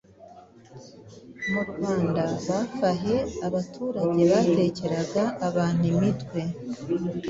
Murwanda bafahe abaturage batekeraga abantu imitwe